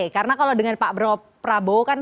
karena kalau dengan pak prabowo kan